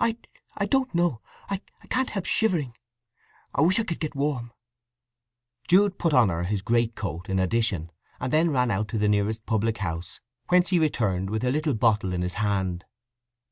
"I don't know! I can't help shivering. I wish I could get warm." Jude put on her his great coat in addition, and then ran out to the nearest public house, whence he returned with a little bottle in his hand.